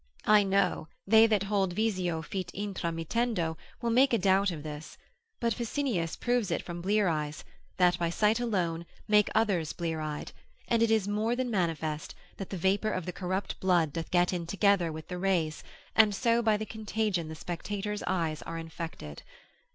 I know, they that hold visio fit intra mittendo, will make a doubt of this; but Ficinus proves it from blear eyes, That by sight alone, make others blear eyed; and it is more than manifest, that the vapour of the corrupt blood doth get in together with the rays, and so by the contagion the spectators' eyes are infected.